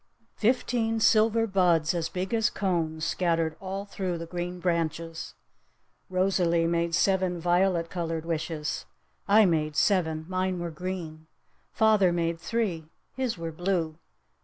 Fifteen silver buds as big as cones scattered all through the green branches! Rosalee made seven violet colored wishes! I made seven! Mine were green! Father made three! His were blue!